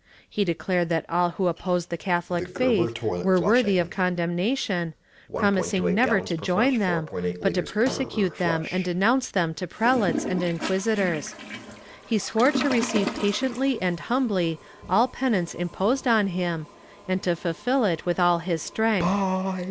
He declared that all who opposed the Catholic faith were worthy of condemnation, promising never to join them, but to persecute them and denounce them to prelates and inquisitors. He swore to receive patiently and humbly all penance imposed on him, and to fulfil it with all his strength.